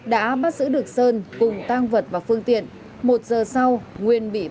đã bắt giữ được sơn cùng tang vật và phương tiện một giờ sau nguyên bị bắt giữ khi đang lẩn trốn